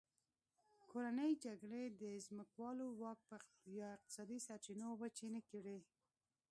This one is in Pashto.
کورنۍ جګړې د ځمکوالو واک یا اقتصادي سرچینې وچې نه کړې.